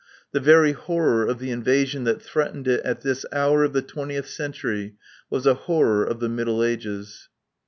The very horror of the invasion that threatened it at this hour of the twentieth century was a horror of the Middle Ages.